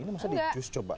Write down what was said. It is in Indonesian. ini masa di jus coba